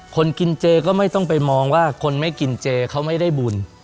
คนกินเจก็ไม่ต้องไปมองว่าคนไม่กินเจเขาไม่ได้บุญ